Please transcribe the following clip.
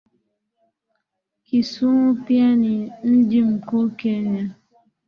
Kisumu pia ni mjii mkuu Kenya